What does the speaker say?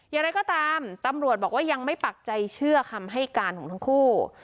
อย่างไรก็ตามตำรวจบอกว่ายังไม่ปักใจเชื่อคำให้การของทั้งคู่